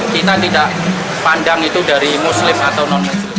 kita tidak pandang itu dari muslim atau non muslim